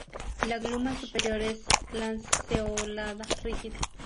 La gluma superior es lanceolada, rígida.